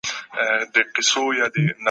ځینو نورو اقتصاد پوهانو هم خپل نظرونه ورکړي دي.